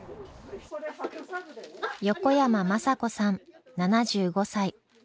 横山眞佐子さん７５歳。